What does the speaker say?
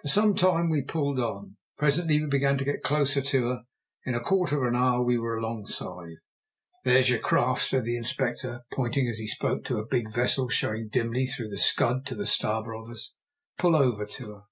For some time we pulled on. Presently we began to get closer to her. In a quarter of an hour we were alongside. "There's your craft," said the Inspector, pointing as he spoke to a big vessel showing dimly through the scud to starboard of us. "Pull over to her."